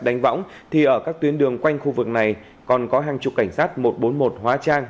đánh võng thì ở các tuyến đường quanh khu vực này còn có hàng chục cảnh sát một trăm bốn mươi một hóa trang